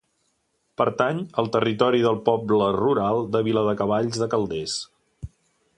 Pertany al territori del poble rural de Viladecavalls de Calders.